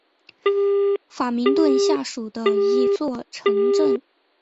法明顿下属的一座城镇。